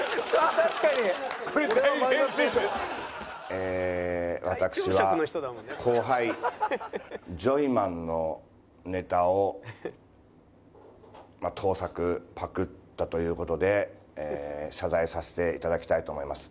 ええ私は後輩ジョイマンのネタを盗作パクったという事で謝罪させていただきたいと思います。